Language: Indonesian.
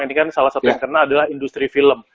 ini kan salah satu yang kena adalah industri film